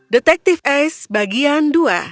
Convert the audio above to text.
detektif ace bagian dua